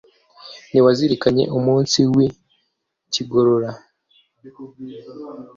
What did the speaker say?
ntiwazirikanye umunsi w’i kigorora.